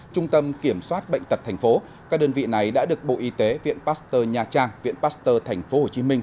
trung tâm kiểm soát bệnh tật thành phố các đơn vị này đã được bộ y tế viện pasteur nhà trang viện pasteur thành phố hồ chí minh